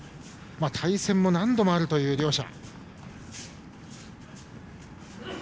対戦も何度もあるという両者。